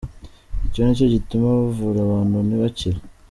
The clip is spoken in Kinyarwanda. Icyo nicyo gituma bavura abantu ntibakire.